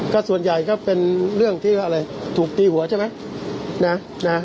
ก็ส่วนใหญ่ก็เป็นเรื่องที่อะไรถูกตีหัวใช่ไหมนะ